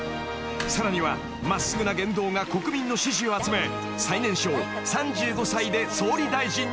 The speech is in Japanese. ［さらには真っすぐな言動が国民の支持を集め最年少３５歳で総理大臣に就任］